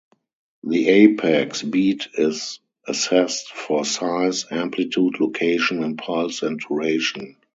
The apex beat is assessed for size, amplitude, location, impulse and duration.